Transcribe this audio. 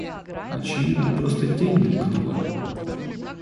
Очевидно, просто тень мелькнула.